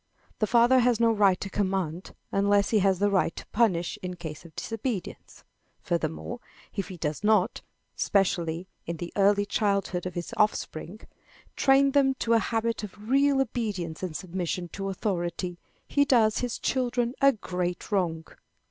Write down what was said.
The father has no right to command, unless he has the right to punish in case of disobedience. Furthermore, if he does not, especially in the early childhood of his offspring, train them to a habit of real obedience and submission to authority, he does his children a great wrong.